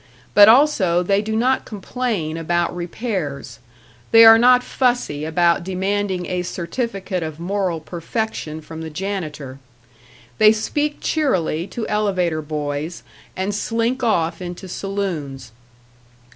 But also they do not complain about repairs; they are not fussy about demanding a certificate of moral perfection from the janitor. They speak cheerily to elevator boys and slink off into saloons.